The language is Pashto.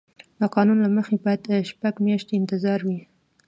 د قانون له مخې باید شپږ میاشتې انتظار وي.